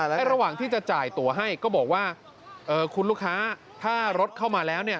และระหว่างที่จะจ่ายตัวให้ก็บอกว่าคุณลูกค้าถ้ารถเข้ามาแล้วเนี่ย